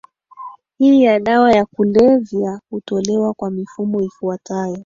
hii ya dawa ya kulevya hutolewa kwa mifumo ifuatayo